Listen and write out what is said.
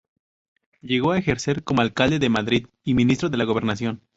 Llegó a ejercer como alcalde de Madrid y ministro de la gobernación.